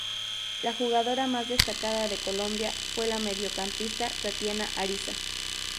La jugadora más destacada de Colombia, fue la mediocampista Tatiana Ariza.